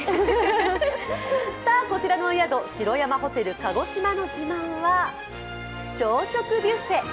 さぁ、こちらのお宿、城山ホテル鹿児島の自慢は朝食ビュッフェ。